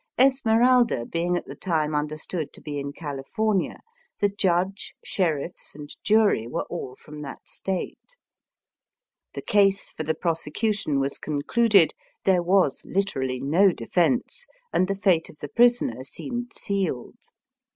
Esmeralda being at the time understood to be in California, the judge, sheriffs, and jury were all from that Stjite. The case for the pro secution was concluded, there was Hterally no defence, and the fate of the prisoner seemed sealed.